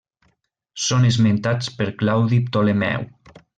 Són esmentats per Claudi Ptolemeu.